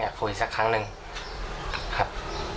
อยากคุยสักครั้งนึงครับ